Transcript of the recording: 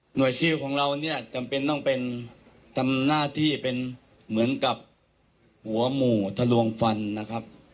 ซิลของเราเนี่ยจำเป็นต้องเป็นทำหน้าที่เป็นเหมือนกับหัวหมู่ทะลวงฟันนะครับ